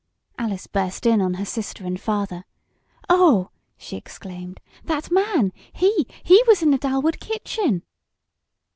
Alice burst in on her sister and father. "Oh!" she exclaimed. "That man he he was in the Dalwood kitchen!"